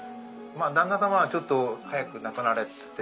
旦那様はちょっと早く亡くなられて。